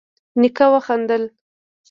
نيکه وخندل: